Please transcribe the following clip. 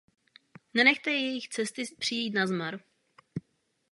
Nenechte jejich cesty přijít nazmar.